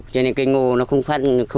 cho nên cái ngô nó không phát